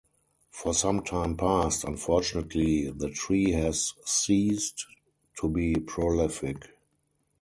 For some time past, unfortunately, the tree has ceased to be prolific.